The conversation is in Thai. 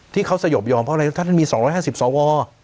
ที่เขาสยบยอมเพราะอะไรท่านมี๒๕๐สว